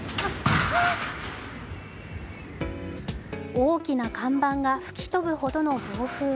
大きな看板が吹き飛ぶほどの暴風。